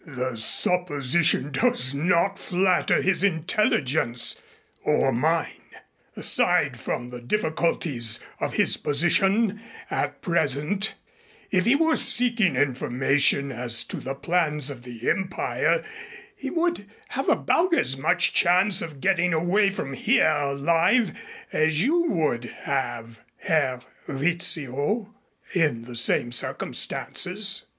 "The supposition does not flatter his intelligence or mine. Aside from the difficulties of his position at present, if he were seeking information as to the plans of the Empire, he would have about as much chance of getting away from here alive as you would have, Herr Rizzio, in the same circumstances."